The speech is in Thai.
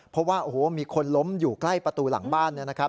เพราะว่าโอ้โหมีคนล้มอยู่ใกล้ประตูหลังบ้านนะครับ